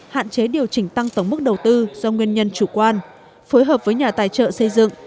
hạn chế điều chỉnh tăng tổng mức đầu tư do nguyên nhân chủ quan phối hợp với nhà tài trợ xây dựng